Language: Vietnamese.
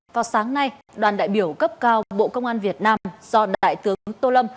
vào sáng nay đoàn đại biểu cấp cao bộ công an việt nam do đại tướng tô lâm